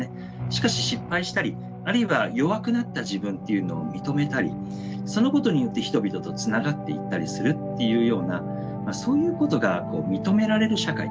しかし失敗したりあるいは弱くなった自分っていうのを認めたりそのことによって人々とつながっていったりするっていうようなそういうことが認められる社会。